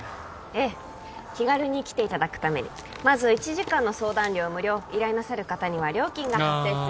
ええ気軽に来ていただくためにまず１時間の相談料無料依頼なさる方には料金がああ